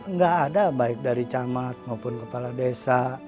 nggak ada baik dari camat maupun kepala desa